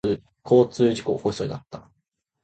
交通事故を起こしそうになった。